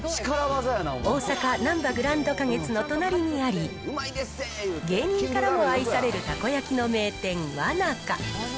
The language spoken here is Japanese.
大阪・なんばグランド花月の隣にあり、芸人からも愛されるたこ焼きの名店、わなか。